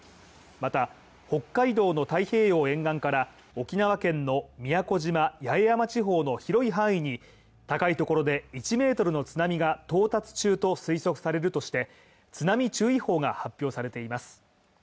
また、北海道の太平洋沿岸から、沖縄県の宮古島・八重山地方の広い範囲に高いところで１ｍの津波が到達中と推測されるとして、津波注意報が発表されています。